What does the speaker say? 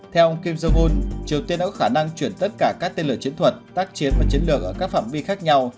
theo ông kim jong un triều tiên đã có khả năng chuyển tất cả các tên lửa chiến thuật tác chiến và chiến lược ở các phạm vi khác nhau